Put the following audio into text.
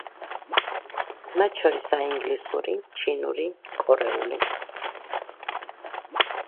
მათ შორისაა ინგლისური, ჩინური, კორეული.